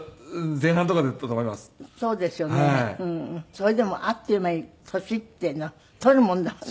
それでもあっという間に年っていうの取るもんだわね。